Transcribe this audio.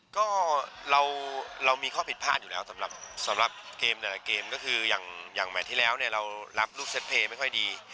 ก็เรามีข้อผิดพลาดอยู่แล้วสำหรับเกมแต่ละเกมก็คืออย่างแมทที่แล้วเนี่ยเรารับลูกเซ็ตเพลย์ไม่ค่อยดี